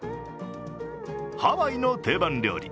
ハワイの定番料理